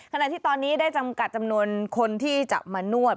ขณะที่ตอนนี้ได้จำกัดจำนวนคนที่จะมานวด